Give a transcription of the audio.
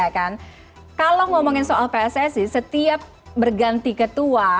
kalau ngomongin soal pssi setiap berganti ketua